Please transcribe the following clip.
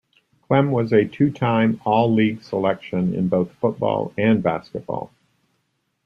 Klemm was a two-time All-League selection in both football and basketball.